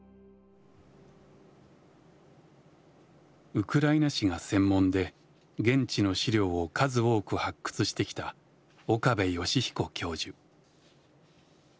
ウクライナ史が専門で現地の資料を数多く発掘してきた岡部芳彦教授。